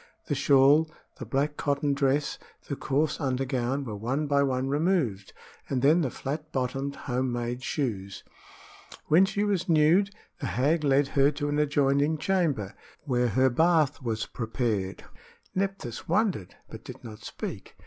The shawl, the black cotton dress, the coarse undergown, were one by one removed, and then the flat bottomed home made shoes. When she was nude, the hag led her to an adjoining chamber, where her bath was prepared. Nephthys wondered, but did not speak.